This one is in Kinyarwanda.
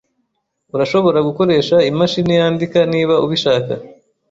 Urashobora gukoresha imashini yandika niba ubishaka.